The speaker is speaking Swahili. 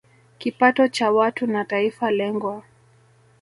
kipato cha watu na taifa lengwa